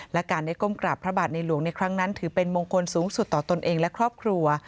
และการได้ก้มกราบพระบาทในหลวงในครั้งนั้นถือเป็นมงคลสูงสุดต่อตนเองและครอบครัว